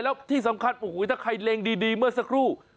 แล้วที่สำคัญโอ้โหถ้าใครเล็งดีเมื่อสักครู่